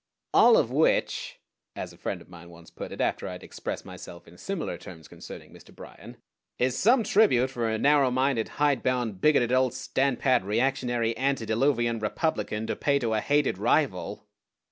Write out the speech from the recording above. "All of which," as a friend of mine once put it after I had expressed myself in similar terms concerning Mr. Bryan, "is some tribute for a narrow minded, hide bound, bigoted, old standpat, reactionary, antediluvian Republican to pay to a hated rival!"